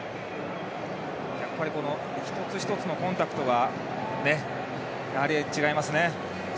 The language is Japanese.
やっぱり一つ一つのコンタクトが違いますね。